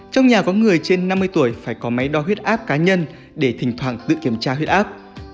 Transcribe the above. trong nhà có người trên năm mươi tuổi phải có máy đo huyết áp cá nhân để thỉnh thoảng tự kiểm tra huyết áp